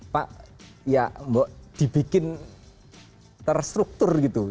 pak ya mbok dibikin terstruktur gitu